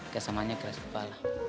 kesamanya keras kepala